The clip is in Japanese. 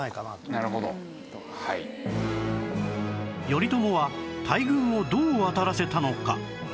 頼朝は大軍をどう渡らせたのか？